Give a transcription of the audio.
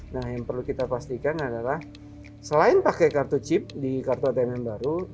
nah yang perlu kita pastikan adalah selain pakai kartu chip di kartu atm baru